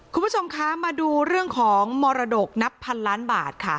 คุณผู้ชมคะมาดูเรื่องของมรดกนับพันล้านบาทค่ะ